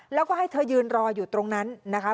แล้วก็ให้เธอยืนรออยู่ตรงนั้นนะคะ